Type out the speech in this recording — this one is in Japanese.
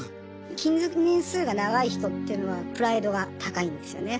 勤続年数が長い人っていうのはプライドが高いんですよね。